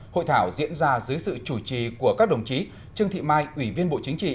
hội thảo diễn ra dưới sự chủ trì của các đồng chí trương thị mai ủy viên bộ chính trị